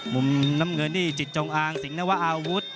มุมน้ำเงินนี่จิตจงอางสิงหนวะอาวุธ